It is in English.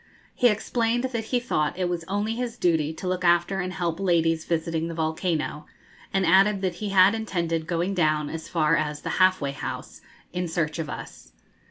He explained that he thought it was only his duty to look after and help ladies visiting the volcano, and added that he had intended going down as far as the 'Half way House' in search of us.